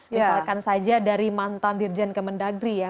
misalkan saja dari mantan dirjen kemendagri ya